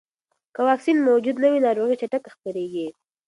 که واکسین موجود نه وي، ناروغي چټکه خپرېږي.